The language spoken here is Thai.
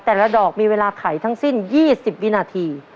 แต่ละดอกมีเวลาไขทั้งสิ้น๒๐วินาที